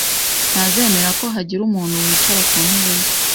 Ntazemera ko hagira umuntu wicara ku ntebe ye.